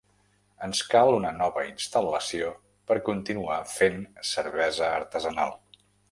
Ens cal una nova instal·lació per continuar fent cervesa artesanal.